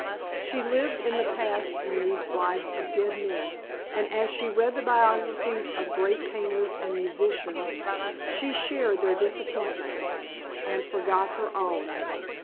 She lived in the past in these lives of dead men; and as she read the biographies of great painters and musicians she shared their disappointments and forgot her own.